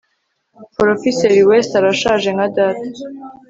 Porofeseri West arashaje nka data